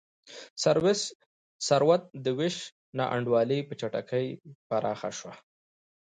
ثروت د وېش نا انډولي په چټکۍ پراخه شوه.